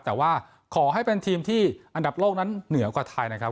แต่ว่าขอให้เป็นทีมที่อันดับโลกนั้นเหนือกว่าไทยนะครับ